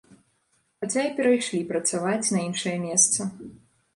Хаця і перайшлі працаваць на іншае месца.